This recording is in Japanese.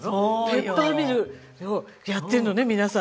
ペッパーミルをやってるのね皆さん。